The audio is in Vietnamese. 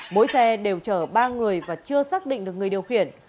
mỗi xe đều chở ba người và chưa xác định được người điều khiển